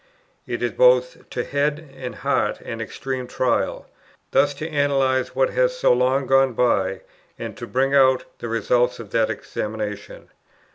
It is both to head and heart an extreme trial, thus to analyze what has so long gone by, and to bring out the results of that examination.